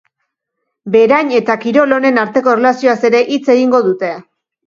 Berain eta kirol honen arteko erlazioaz ere hitz egingo dute.